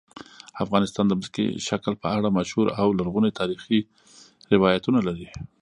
افغانستان د ځمکني شکل په اړه مشهور او لرغوني تاریخی روایتونه لري.